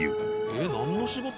えっなんの仕事？